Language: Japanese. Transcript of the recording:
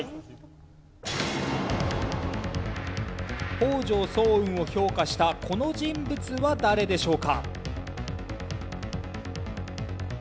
北条早雲を評価したこの人物は誰でしょうか？